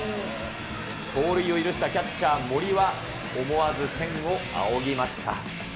盗塁を許したキャッチャー、森は、思わず天を仰ぎました。